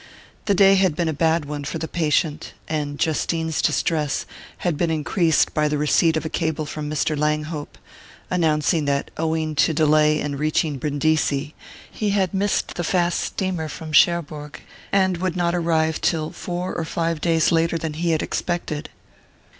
The day had been a bad one for the patient, and Justine's distress had been increased by the receipt of a cable from Mr. Langhope, announcing that, owing to delay in reaching Brindisi, he had missed the fast steamer from Cherbourg, and would not arrive till four or five days later than he had expected.